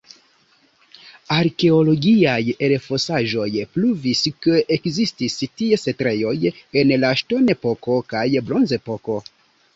Arkeologiaj elfosaĵoj pruvis, ke ekzistis tie setlejoj en la ŝtonepoko kaj bronzepoko.